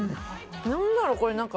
何だろう、これ。